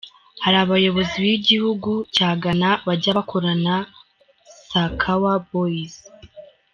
Hari abayobozi b’igihugu cya Ghana bajya bakorana na “Sakawa Boys”.